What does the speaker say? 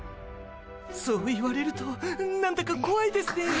そう言われると何だかこわいですね。